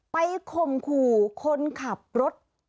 ไปคมขู่คนขับรถ